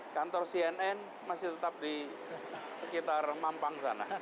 kantor cnn masih tetap di sekitar mampang sana